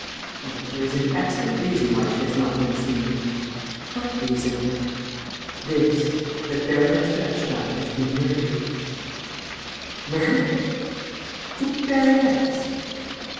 "Well, there is an excellent reason why she has not been seen." "What reason?" "This, that Baroness Repstein has been murdered...." "Murdered!... The baroness!...